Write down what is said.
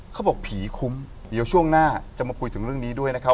เขาบอกผีคุ้มเดี๋ยวช่วงหน้าจะมาคุยถึงเรื่องนี้ด้วยนะครับ